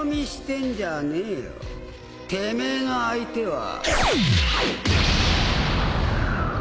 てめえの相手は。